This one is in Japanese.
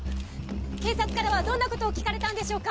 警察からはどんなことを聞かれたんでしょうか？